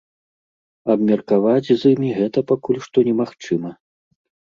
Абмеркаваць з імі гэта пакуль што немагчыма.